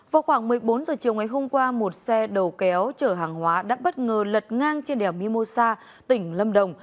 vào khoảng một mươi bốn h chiều ngày hôm qua một xe đầu kéo chở hàng hóa đã bất ngờ lật ngang trên đèo mimosa tỉnh lâm đồng